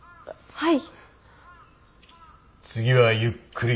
はい。